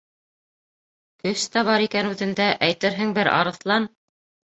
Көс тә бар икән үҙендә, әйтерһең, бер арыҫлан!